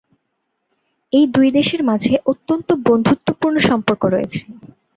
এই দুই দেশের মাঝে অত্যন্ত বন্ধুত্বপূর্ণ সম্পর্ক রয়েছে।